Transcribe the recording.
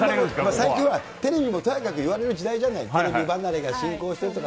最近はテレビもとやかく言われる時代じゃない、テレビ離れが進行してるとか。